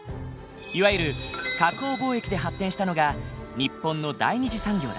いわゆる加工貿易で発展したのが日本の第二次産業だ。